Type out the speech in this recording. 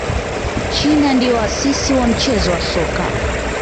china ndio waasisi wa mchezo wa soka